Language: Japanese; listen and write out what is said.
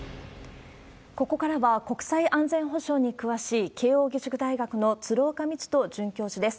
ここからは、国際安全保障に詳しい慶応義塾大学の鶴岡路人准教授です。